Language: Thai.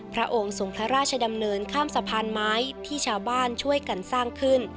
พระองค์ทรงพระราชดำเนินข้ามสะพานไม้ที่ชาวบ้านช่วยกันสร้างขึ้น